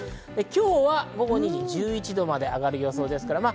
今日は午後２時、１１度まで上がる予想です。